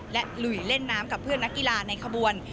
และหลุยเล่นน้ำกับเพื่อนนักกีฬาในขบวน